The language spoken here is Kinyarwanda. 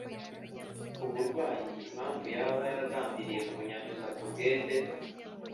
uburwayi, impamvu yaba yaragambiriye kunyanduza ku bwende.